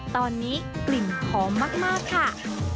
ตอนนี้กลิ่นหอมมากค่ะ